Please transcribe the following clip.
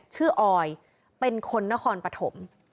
ออยเป็นคนนครปฐม